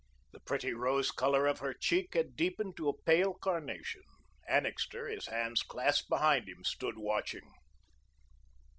The pretty rose colour of her cheek had deepened to a pale carnation. Annixter, his hands clasped behind him, stood watching.